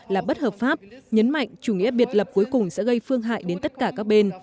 là bất hợp pháp nhấn mạnh chủ nghĩa biệt lập cuối cùng sẽ gây phương hại đến tất cả các bên